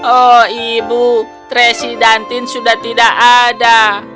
oh ibu tracy dan tim sudah tidak ada